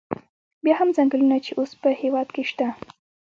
بیا هم څنګلونه چې اوس په هېواد کې شته.